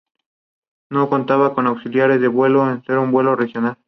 Su hija mayor es la autora, nutricionista y presentadora de televisión Daphne Oz.